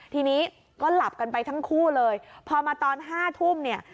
ทีนี้ก็หลับกันไปทั้งคู่เลยพอมาตอน๕ทุ่มเนี่ย